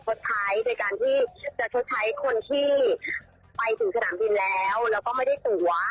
ชดใช้ในการที่จะชดใช้คนที่ไปถึงสนามบินแล้วแล้วก็ไม่ได้ตัว